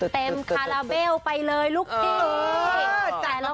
เต็มคาราเบลไปเลยลูกทิ้ง